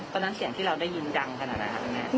ตอนนั้นเสียงที่เราได้ยินดังขนาดนั้นครับอันนี้